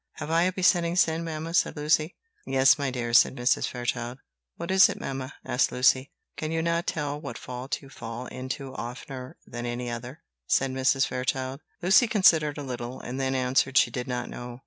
"Have I a besetting sin, mamma?" said Lucy. "Yes, my dear," said Mrs. Fairchild. "What is it, mamma?" asked Lucy. "Can you not tell what fault you fall into oftener than any other?" said Mrs. Fairchild. Lucy considered a little, and then answered she did not know.